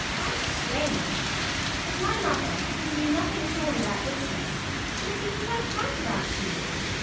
How strange! that my mother, who knew nothing at all about business, should have been quite right about you!